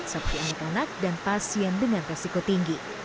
seperti anak anak dan pasien dengan resiko tinggi